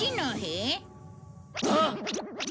あっ！！